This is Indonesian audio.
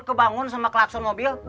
kebangun sama kelakson mobil